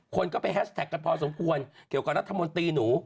คนก็ไปแฮชแท็กกันพอสมควรเกี่ยวกับรัฐมนตรีหนู